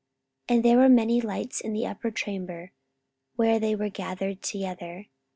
44:020:008 And there were many lights in the upper chamber, where they were gathered together.